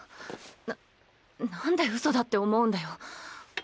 ななんでうそだって思うんだよ。